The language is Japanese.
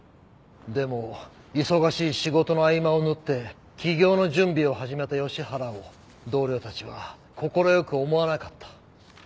でも忙しい仕事の合間を縫って起業の準備を始めた吉原を同僚たちは快く思わなかった。